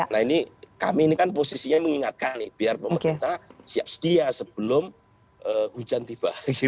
nah ini kami ini kan posisinya mengingatkan nih biar pemerintah siap sedia sebelum hujan tiba